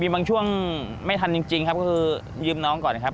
บางช่วงไม่ทันจริงครับก็คือยืมน้องก่อนนะครับ